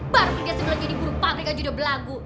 baru kerja sebulan jadi burung pabrik aja udah berlagu